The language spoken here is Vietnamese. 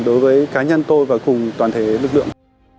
đối với cá nhân tôi và cùng toàn thể lực lượng